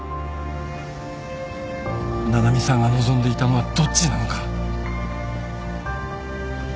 七海さんが望んでいたのはどっちなのか。